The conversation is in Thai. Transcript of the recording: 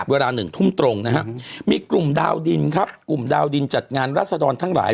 เวลา๑ทุ่มตรงนะครับมีกลุ่มดาวดินครับกลุ่มดาวดินจัดงานรัศดรทั้งหลาย